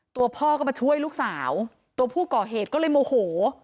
ตัวพ่อก็มาช่วยลูกสาวตัวผู้ก่อเหตุก็เลยโมโห